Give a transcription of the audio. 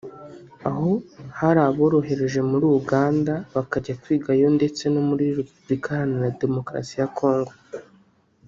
aho hari abo bohereje muri Uganda bakajya kwiga yo ndetse no muri Repubulika iharanira Demukarasi ya Congo